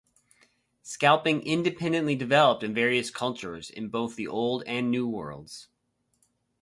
Scalping independently developed in various cultures in both the Old and New Worlds.